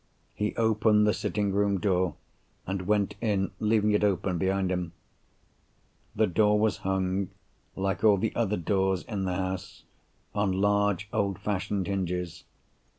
He opened the sitting room door, and went in, leaving it open behind him. The door was hung (like all the other doors in the house) on large old fashioned hinges.